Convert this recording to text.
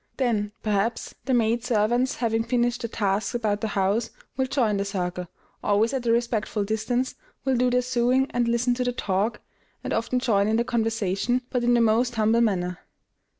Then, perhaps, the maidservants, having finished their tasks about the house, will join the circle, always at a respectful distance, will do their sewing and listen to the talk, and often join in the conversation, but in the most humble manner.